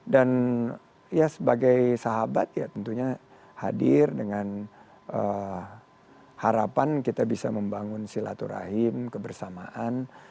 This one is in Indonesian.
dan ya sebagai sahabat ya tentunya hadir dengan harapan kita bisa membangun silaturahim kebersamaan